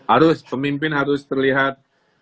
aduh pemimpin harus terlihat